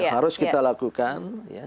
harus kita lakukan